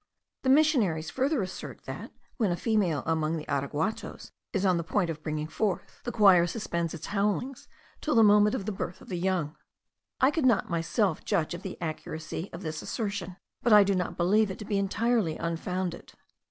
The Missionaries further assert, that, when a female among the araguatos is on the point of bringing forth, the choir suspends its howlings till the moment of the birth of the young. I could not myself judge of the accuracy of this assertion; but I do not believe it to be entirely unfounded.